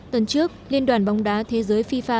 tuần trước liên đoàn bóng đá thế giới fifa